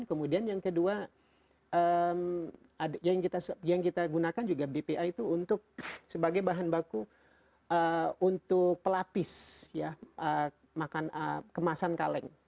kemudian yang kedua yang kita gunakan juga bpa itu untuk sebagai bahan baku untuk pelapis kemasan kaleng